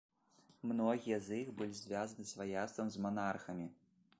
Многія з іх былі звязаны сваяцтвам з манархамі.